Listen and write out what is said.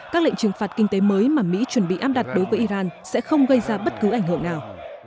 các lệnh trừng phạt kinh tế mới mà mỹ chuẩn bị áp đặt đối với iran sẽ không gây ra bất cứ ảnh hưởng nào